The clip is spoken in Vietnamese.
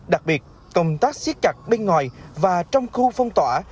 đặc biệt công tác siết chặt bên ngoài và trong khu phong tỏa